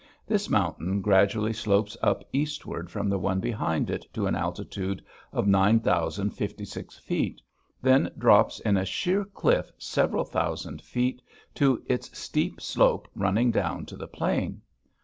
This mountain gradually slopes up eastward from the one behind it to an altitude of 9056 feet, then drops in a sheer cliff several thousand feet to its steep slope running down to the plain.